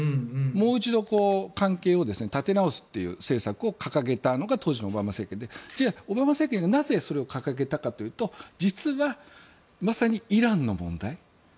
もう一度、関係を立て直すという政策を掲げたのが当時のオバマ政権でじゃあオバマ政権がなぜ、それを掲げたかというと実は、まさにイランの問題。